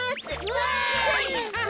わい！